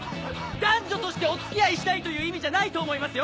「男女としてお付き合いしたい」という意味じゃないと思いますよ。